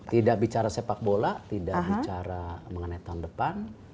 tidak bicara sepak bola tidak bicara mengenai tahun depan